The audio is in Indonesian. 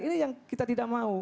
ini yang kita tidak mau